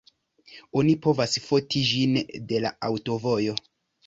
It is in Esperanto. Oni povas foti ĝin de la aŭtovojo.